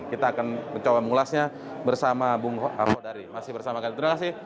kita akan mencoba mengulasnya bersama bung hodari